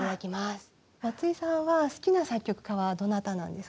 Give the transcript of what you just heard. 松井さんは好きな作曲家はどなたなんですか？